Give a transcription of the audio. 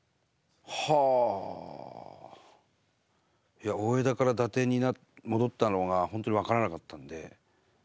いや大條から伊達に戻ったのがほんとに分からなかったんで。